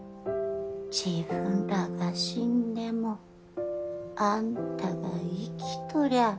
自分らが死んでもあんたが生きとりゃあ